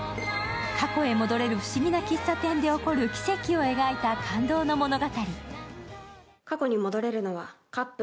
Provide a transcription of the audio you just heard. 過去へ戻れる不思議な喫茶店で起こる奇跡を描いた感動の物語。